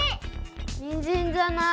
にんじんじゃない。